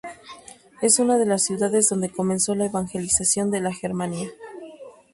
Es una de las ciudades donde comenzó la evangelización de la Germania.